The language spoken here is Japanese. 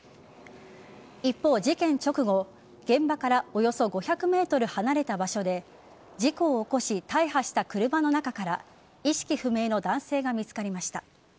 一方、事件直後現場からおよそ５００ｍ離れた場所で事故を起こし大破した車の中から意識不明の男性が見つかりました。